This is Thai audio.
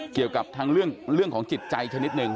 เกี่ยวกับทั้งเรื่องของจิตใจชนิดหนึ่ง